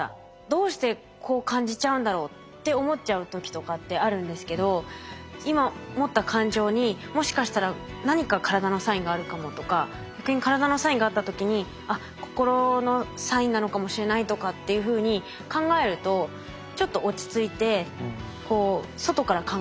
どうしてこう感じちゃうんだろうって思っちゃう時とかってあるんですけど今持った感情にもしかしたら何か体のサインがあるかもとか逆に体のサインがあった時にあっ心のサインなのかもしれないとかっていうふうに考えるとちょっと落ち着いてこう外から考えられるかもしれないですね。